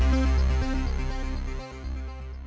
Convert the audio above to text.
โปรดติดตามตอนต่อไป